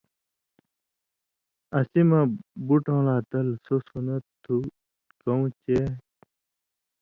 اسی مہ بُٹؤں لا تل سو سنت تُھو کؤں چے